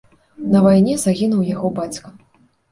На вайне загінуў яго бацька.